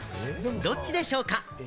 どっちでしょうか？